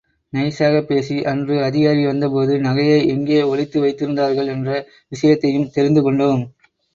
நைசாகப் பேசி அன்று அதிகாரி வந்தபோது நகையை எங்கே ஒளித்து வைத்திருந்தார்கள் என்ற விஷத்தையும் தெரிந்து கொண்டேம்.